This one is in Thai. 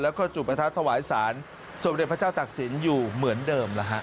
แล้วก็จุบัตรทะวายศาลสวรรค์พระเจ้าตักศิลป์อยู่เหมือนเดิมนะฮะ